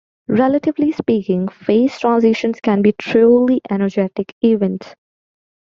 Relatively speaking, phase transitions can be truly energetic events.